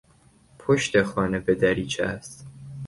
پشت خانه به دریاچه است.